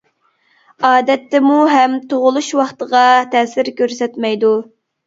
ئادەتتىمۇ ھەم تۇغۇلۇش ۋاقتىغا تەسىر كۆرسەتمەيدۇ.